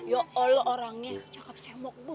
ya allah orangnya cakep sembok bu